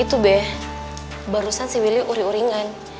itu beh barusan si willy uri uringan